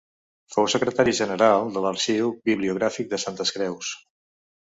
Fou secretari general de l’Arxiu Bibliogràfic de Santes Creus.